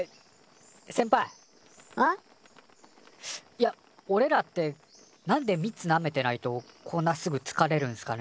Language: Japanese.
いやおれらってなんで蜜なめてないとこんなすぐつかれるんすかね？